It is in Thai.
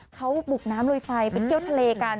เขาบุกน้ำลุยไฟไปเที่ยวทะเลกัน